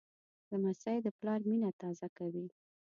لمسی د پلار مینه تازه کوي.